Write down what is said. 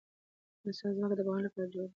د افغانستان ځمکه د باغونو لپاره جوړه ده.